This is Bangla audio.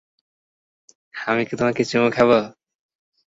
আমি কি তোমাকে চুমু খাবো?